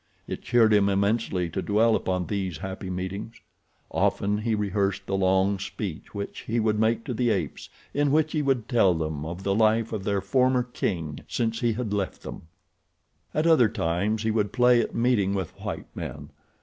It cheered him immensely to dwell upon these happy meetings. Often he rehearsed the long speech which he would make to the apes, in which he would tell them of the life of their former king since he had left them. At other times he would play at meeting with white men.